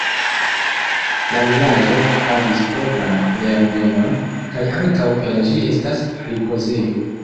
La vilaĝo havis propran lernejon, kaj ankaŭ el ĝi estas ripozejo.